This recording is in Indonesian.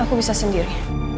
aku bisa sendiri